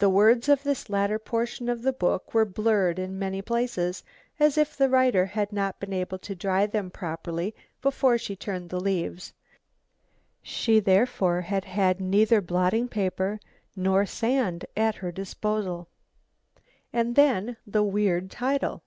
The words of this later portion of the book were blurred in many places, as if the writer had not been able to dry them properly before she turned the leaves. She therefore had had neither blotting paper nor sand at her disposal. And then the weird title!